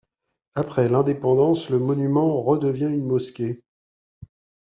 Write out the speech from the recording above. Après l’Indépendance, le monument redevient une mosquée.